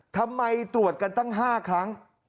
ตรวจกันตั้ง๕ครั้ง